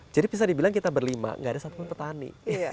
jadi bisa dibilang kita berlima gak ada satupun petani